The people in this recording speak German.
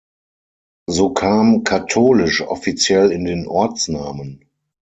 So kam „Katholisch“ offiziell in den Ortsnamen.